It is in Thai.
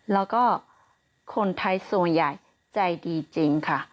แล้วก็คนไทยส่วนใหญ่ใจดีจริงค่ะ